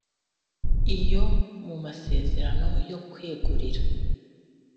Iyo mu masezerano yo kwegurira